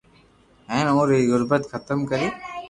ھين اپو ري غربت ختم ڪرئي